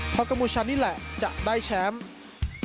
เพราะกัมพูชานี่แหละจะได้แชมป์